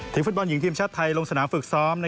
ฟุตบอลหญิงทีมชาติไทยลงสนามฝึกซ้อม